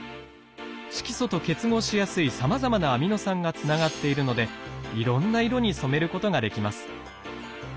色素と結合しやすいさまざなアミノ酸がつながっているのでいろんな色に染めることができます。